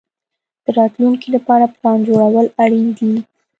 د راتلونکي لپاره پلان جوړول اړین دي.